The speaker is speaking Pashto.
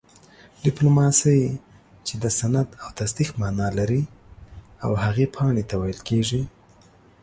ډيپلوماسۍ چې د سند او تصديق مانا لري او هغې پاڼي ته ويل کيږي